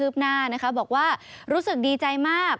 บอกว่ารู้สึกดีใจมาก